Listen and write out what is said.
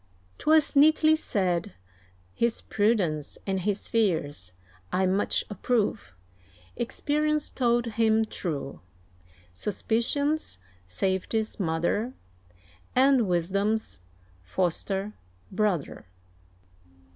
'Twas neatly said, his prudence and his fears I much approve; Experience told him true, Suspicion's Safety's mother, And Wisdom's foster brother.